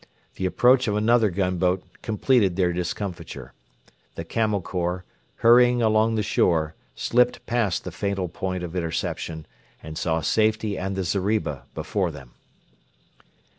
The approach of another gunboat completed their discomfiture. The Camel Corps, hurrying along the shore, slipped past the fatal point of interception, and saw safety and the zeriba before them.